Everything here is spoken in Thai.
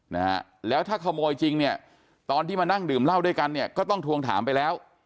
นะฮะแล้วถ้าขโมยจริงเนี่ยตอนที่มานั่งดื่มเหล้าด้วยกันเนี่ยก็ต้องทวงถามไปแล้ว